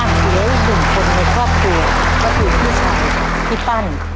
อันเดียวรู้สึกคนในครอบครัวก็คือพี่ชายพี่ปั้น